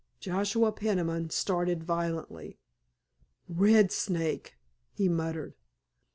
_" Joshua Peniman started violently. "Red Snake!" he muttered.